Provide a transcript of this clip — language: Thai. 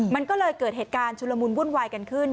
มันก็เลยเกิดเหตุการณ์ชุลมุนวุ่นวายกันขึ้น